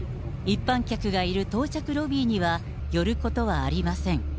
一般客がいる到着ロビーには、寄ることはありません。